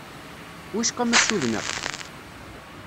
Wicqa ma ssudneɣ-k?